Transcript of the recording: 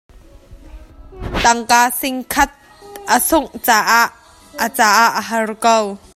Tangka sing khat a sungh caah a caah a har ko.